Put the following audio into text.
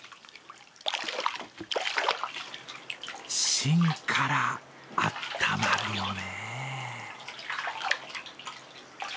芯からあったまるよね。